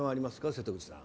瀬戸口さん。